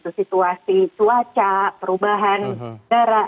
situasi cuaca perubahan darah